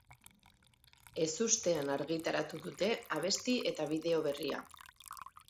Ezustean argitaratu dute abesti eta bideo berria.